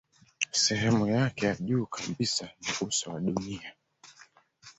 Sehemu yake ya juu kabisa ni uso wa dunia.